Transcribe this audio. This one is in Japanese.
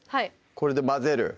これで混ぜる